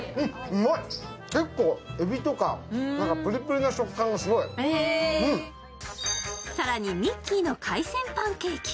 えびとか海鮮のプリプリの食感がすごい更に、ミッキーの海鮮パンケーキ。